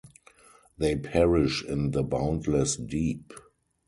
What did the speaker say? They perish in the boundless deep.